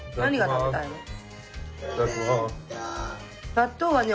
納豆はね